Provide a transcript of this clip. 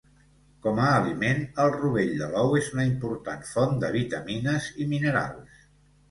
Com a aliment, el rovell de l'ou és una important font de vitamines i minerals.